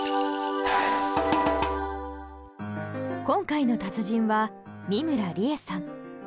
今回の達人は美村里江さん。